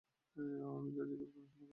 আমি জাজিকে অনুসরণ করেছি।